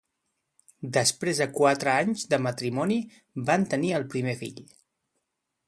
Després de quatre anys de matrimoni van tenir el primer fill.